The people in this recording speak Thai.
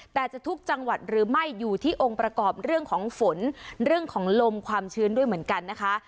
แต่จะทุกจังหวัดหรือไม่อยู่ที่องค์ประกอบเรื่องของฝนเรื่องของลมความชื้นด้วยเหมือนกันนะคะ